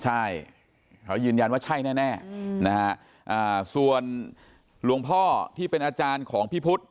ใช่เขายืนยันว่าใช่แน่นะฮะส่วนหลวงพ่อที่เป็นอาจารย์ของพี่พุทธ